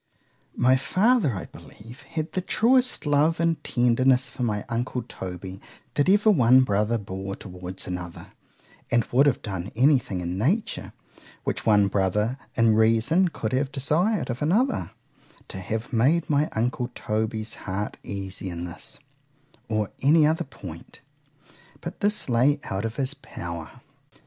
My father, I believe, had the truest love and tenderness for my uncle Toby, that ever one brother bore towards another, and would have done any thing in nature, which one brother in reason could have desir'd of another, to have made my uncle Toby's heart easy in this, or any other point. But this lay out of his power.